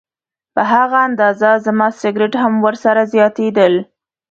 په هغه اندازه زما سګرټ هم ورسره زیاتېدل.